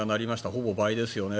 ほぼ倍ですよね。